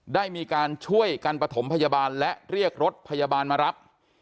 ได้มีการช่วยกันประถมพยาบาลและเรียกรถพยาบาลมารับ